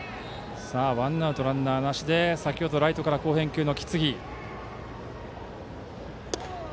ワンアウトランナーなしで先程、ライトから好返球の木次。